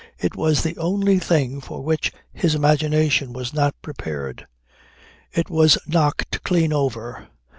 It was the only thing for which his imagination was not prepared. It was knocked clean over.